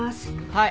はい。